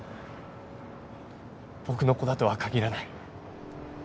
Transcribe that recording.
僕の子だとは限らない。